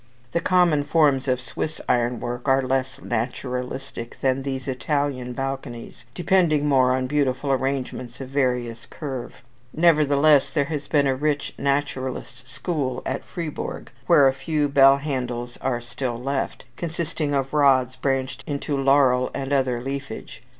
The common forms of Swiss ironwork are less naturalistic than these Italian balconies, depending more on beautiful arrangements of various curve; nevertheless, there has been a rich naturalist school at Fribourg, where a few bell handles are still left, consisting of rods branched into laurel and other leafage.